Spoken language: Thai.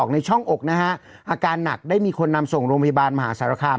ในช่องอกนะฮะอาการหนักได้มีคนนำส่งโรงพยาบาลมหาสารคาม